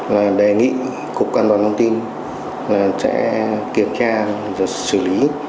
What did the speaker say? là đề nghị cục an toàn thông tin là sẽ kiểm tra và xử lý